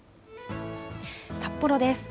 札幌です。